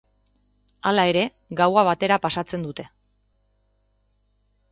Hala ere gaua batera pasatzen dute.